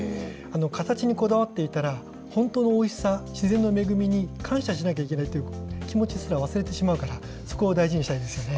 形にこだわっていたら、本当のおいしさ、自然の恵みに感謝しなきゃいけないという気持ちすら忘れてしまうから、そこを大事にしたいですよね。